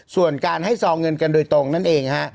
ส่วนการให้ซองเงินกันโดยตรงนั่นเองฮะ